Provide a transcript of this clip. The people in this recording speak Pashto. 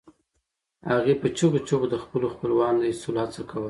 هغې په چیغو چیغو د خپلو خپلوانو د ایستلو هڅه کوله